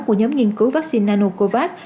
của nhóm nghiên cứu vaccine nanocovax